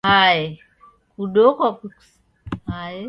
Hae, kudokwa kukisungia chumbenyi cha w'andu.